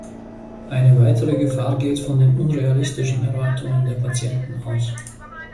Eine weitere Gefahr geht von den unrealistischen Erwartungen der Patienten aus.